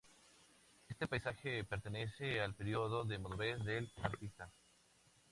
Este paisaje pertenece al período de madurez del artista.